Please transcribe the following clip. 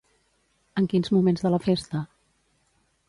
En quins moments de la festa?